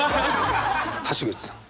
橋口さん。